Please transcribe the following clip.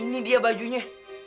ini dia bajunya